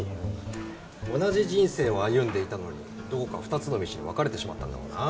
同じ人生を歩んでいたのにどこかで２つの道に分かれてしまったんだろうな。